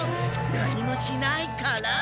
何もしないから！